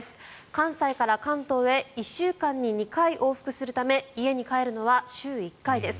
関西から関東へ１週間に２回往復するため家に帰るのは週１回です。